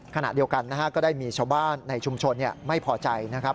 ขณะเดียวกันนะฮะก็ได้มีชาวบ้านในชุมชนไม่พอใจนะครับ